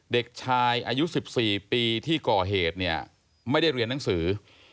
เด็กชายอายุ๑๔ปีที่ก่อเหตุเนี่ยไม่ได้เรียนหนังสือ